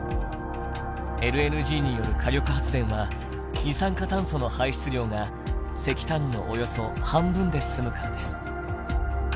ＬＮＧによる火力発電は二酸化炭素の排出量が石炭のおよそ半分で済むからです。